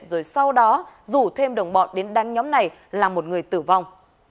rồi sau đó rủ thêm đồng bọn đến đăng nhóm này là một người tử vong